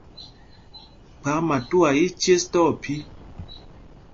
Kphák Phamtuá í í cēs tí ophī.